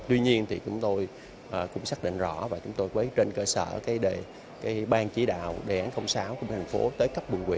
tuy nhiên chúng tôi cũng xác định rõ và chúng tôi với trên cơ sở ban chỉ đạo đề án sáu của thành phố